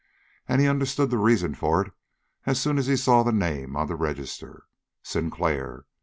And he understood the reason for it as soon as he saw the name on the register. Sinclair!